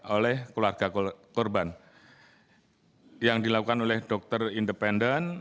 oleh keluarga korban yang dilakukan oleh dokter independen